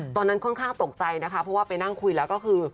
ตอนนั้นค่อนข้างตกใจนะคะเพราะว่าไปนั่งคุยแล้วก็คือ